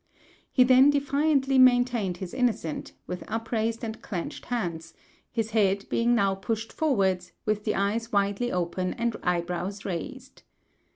He then defiantly maintained his innocence, with upraised and clenched hands, his head being now pushed forwards, with the eyes widely open and eyebrows raised.